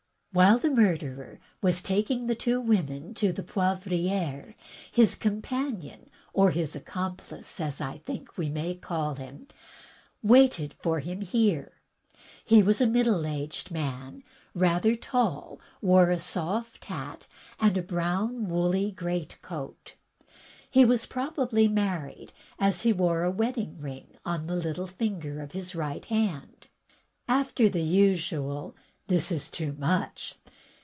While the murderer was taking the two women to the Poivriere, his companion or his accomplice, as I think I may call him, waited for him here. He was a middle aged man, rather tall, wore a soft hat and a brown woolly great coat; he was probably married, as he wore a wedding ring on the little finger of his right hand." After the usual, "this is too much!"